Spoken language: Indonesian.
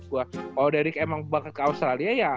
kalau derick emang banget ke australia ya